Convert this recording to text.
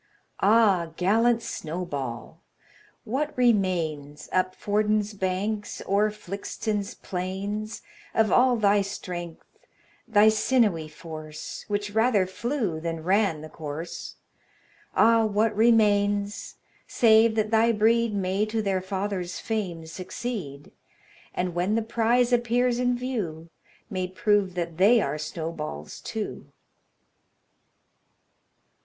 "Ah! gallant Snowball! what remains, Up Fordon's banks, o'er Flixton's plains, Of all thy strength thy sinewy force, Which rather flew than ran the course? Ah! what remains? Save that thy breed May to their father's fame succeed; And when the prize appears in view, May prove that they are Snowballs too."